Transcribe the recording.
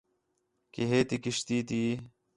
کہ ہیتی کشتی تی